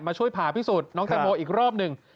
ช่วยผ่าพิสูจน์น้องแตงโมอีกรอบหนึ่ง